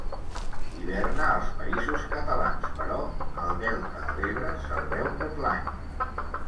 Hiverna als Països Catalans però, al Delta de l'Ebre se'l veu tot l'any.